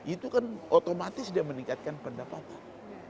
itu kan otomatis dia meningkatkan pendapatan